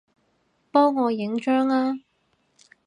幫我影張吖